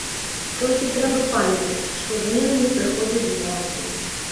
Толькі трэба памятаць, што змены не прыходзяць звонку.